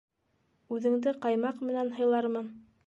Үҙеңде ҡаймаҡ менән һыйлармын.